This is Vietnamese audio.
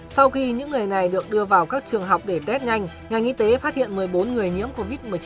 sau khi những người này được đưa vào các trường học để test nhanh